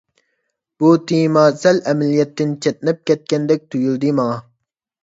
بۇ تېما سەل ئەمەلىيەتتىن چەتنەپ كەتكەندەك تۇيۇلدى ماڭا.